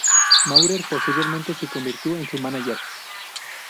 Maurer posteriormente se convirtió en su mánager.